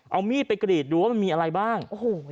เอามีดไปกรีดดูว่ามันมีอะไรบ้าง